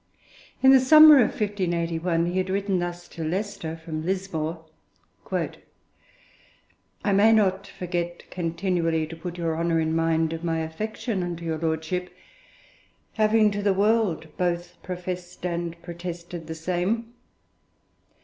In the summer of 1581 he had written thus to Leicester from Lismore: I may not forget continually to put your Honour in mind of my affection unto your Lordship, having to the world both professed and protested the same.